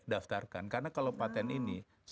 daftarkan karena kalau patent ini